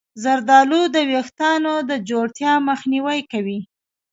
زردآلو د ویښتانو د ځوړتیا مخنیوی کوي.